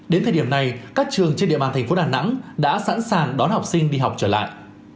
đến thời điểm này các trường trên địa bàn thành phố đà nẵng đã sẵn sàng đón học sinh đi học trở lại